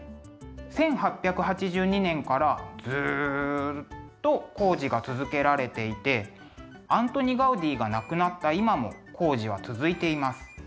１８８２年からずっと工事が続けられていてアントニ・ガウディが亡くなった今も工事は続いています。